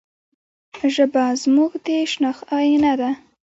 ژبه زموږ د شناخت آینه ده.